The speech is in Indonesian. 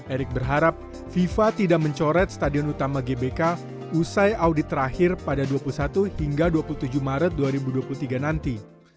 erick berharap fifa tidak mencoret stadion utama gbk usai audit terakhir pada dua puluh satu hingga dua puluh tujuh maret dua ribu dua puluh tiga nanti